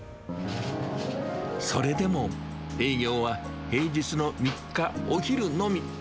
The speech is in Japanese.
それでも、営業は平日の３日、お昼のみ。